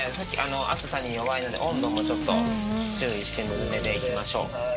熱さに弱いので、温度もちょっと注意してぬるめでいきましょう。